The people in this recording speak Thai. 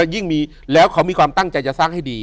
ยิ่งมีแล้วเขามีความตั้งใจจะสร้างให้ดี